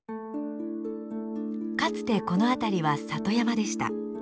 かつてこの辺りは里山でした。